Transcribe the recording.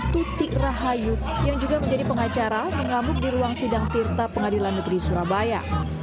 tuti rahayu yang juga menjadi pengacara mengamuk di ruang sidang tirta pengadilan negeri surabaya